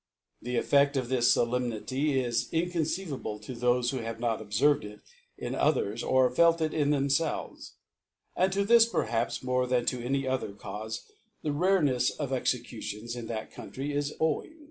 The EfFcft of this Solemnity is inconceiv able to thole who have not obfervcd it in others, or felt it in themfelves ; and to • this, perhaps more than to any other Caufe, the Rarcnefs of Executions in that Country is owing.